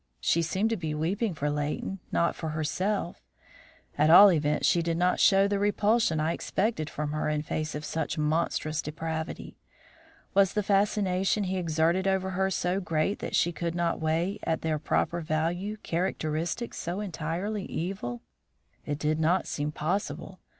She seemed to be weeping for Leighton, not for herself; at all events she did not show the repulsion I expected from her in face of such monstrous depravity. Was the fascination he exerted over her so great that she could not weigh at their proper value characteristics so entirely evil? It did not seem possible.